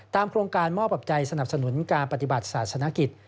ตามโครงการมอบอับใจสนับสนุนการปฏิบัติศาสตร์ศนักกิจ